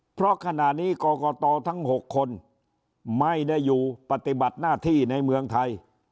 เพราะขณะนี้กรกตทั้ง๖คนไม่ได้อยู่ปฏิบัติหน้าที่ในเมืองไทย